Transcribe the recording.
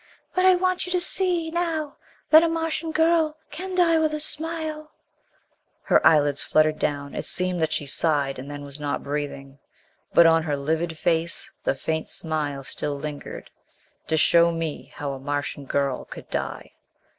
But I want you to see now that a Martian girl can die with a smile " Her eyelids fluttered down; it seemed that she sighed and then was not breathing. But on her livid face the faint smile still lingered, to show me how a Martian girl could die.